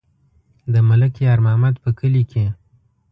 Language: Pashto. د ملک یار محمد په کلي کې.